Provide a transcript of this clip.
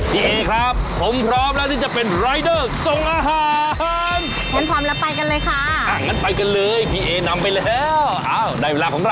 เอครับผมพร้อมแล้วที่จะเป็นรายเดอร์ส่งอาหาร